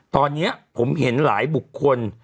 ตอนนี้ผมเห็นหลายบุคคล